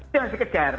itu yang harus dikejar